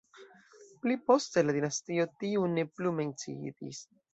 Pli poste la dinastio tiu ne plu menciitis.